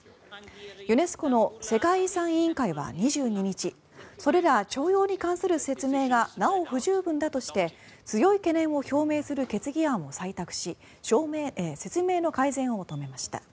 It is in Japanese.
ユネスコの世界遺産委員会は２２日それら徴用に関する説明がなお不十分だとして強い懸念を表明する決議案を採択し説明の改善を求めました。